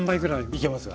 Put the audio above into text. いけますか？